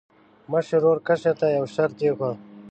مشر ورور کشر ته یو شرط کېښود.